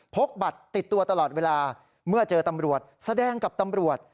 กบัตรติดตัวตลอดเวลาเมื่อเจอตำรวจแสดงกับตำรวจ